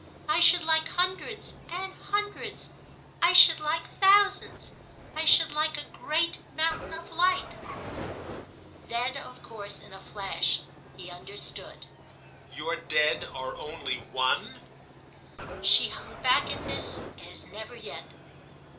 I should like hundreds and hundreds—I should like thousands; I should like a great mountain of light." Then of course in a flash he understood. "Your Dead are only One?" She hung back at this as never yet.